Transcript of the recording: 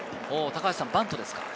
バントですか？